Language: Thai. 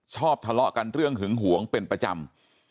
ทะเลาะกันเรื่องหึงหวงเป็นประจำ